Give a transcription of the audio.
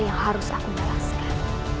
yang harus aku melaskan